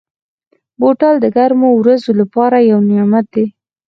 بوتل د ګرمو ورځو لپاره یو نعمت دی.